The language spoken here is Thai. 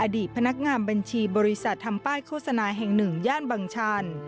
อดีตพนักงานบัญชีบริษัททำป้ายโฆษณาแห่ง๑ย่านบังชัน